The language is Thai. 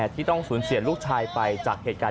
ที่ต้องสูญเสียลูกชายไปจากเหตุการณ์